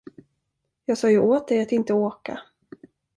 Jag sa ju åt dig att inte åka.